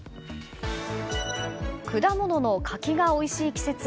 果物の柿がおいしい季節。